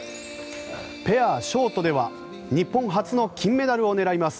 ペアショートでは日本初の金メダルを狙います